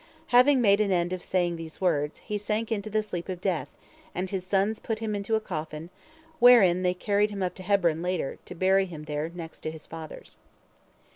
Having made an end of saying these words, he sank into the sleep of death, and his sons put him into a coffin, wherein they carried him up to Hebron later, to bury him there next to his fathers.